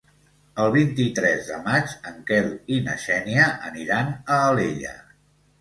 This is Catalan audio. El vint-i-tres de maig en Quel i na Xènia aniran a Alella.